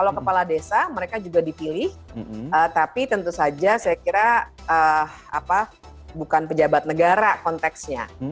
kalau kepala desa mereka juga dipilih tapi tentu saja saya kira bukan pejabat negara konteksnya